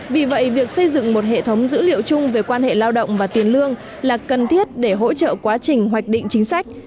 vì vậy việc xây dựng một hệ thống dữ liệu chung về quan hệ lao động và tiền lương là cần thiết để hỗ trợ quá trình hoạch định chính sách